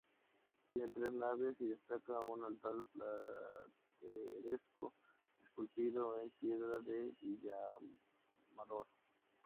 Tiene tres naves y destaca un altar plateresco esculpido en piedra de Villamayor.